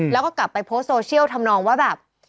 แล้วก็กลับไปโพสต์โซเชียลทำนองว่าแบบ